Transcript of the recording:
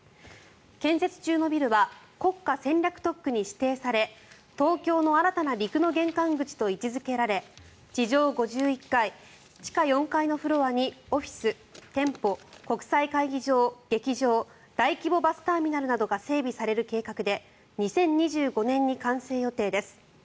建設中のビルは国家戦略特区に指定され東京の新たな陸の玄関口と位置付けられ地上５１階、地下４階のフロアにオフィス、店舗、国際会議場劇場大規模バスターミナルなどが整備される計画で２０２５年に完成予定です。